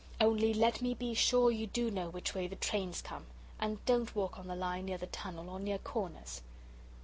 Only let me be sure you do know which way the trains come and don't walk on the line near the tunnel or near corners."